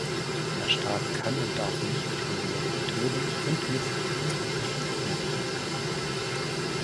Der Staat kann und darf nicht kriminelle Methoden und Mittel des Verbrechens anwenden.